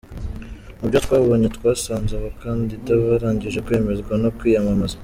Mu byo twabonye, twasanze abakandida barangije kwemezwa no kwiyamamaza.